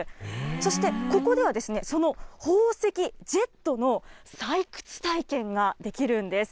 そして、ここでは、その宝石、ジェットの採掘体験ができるんです。